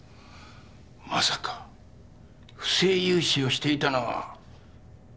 まさか不正融資をしていたのは江島。